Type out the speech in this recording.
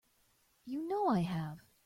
You know I have.